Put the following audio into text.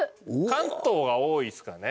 関東が多いですかね。